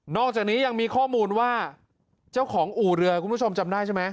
อกจากนี้ยังมีข้อมูลว่าเจ้าของอู่เรือคุณผู้ชมจำได้ใช่ไหม